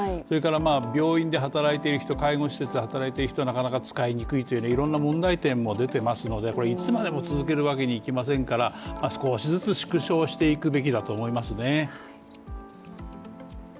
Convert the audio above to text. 病院で働いている人、介護施設で働いている人はなかなか使いづらい、いろんな問題点も出ていますのでいつまでも続けるわけにはいきませんから少しずつ縮小していくべきだと思いますね。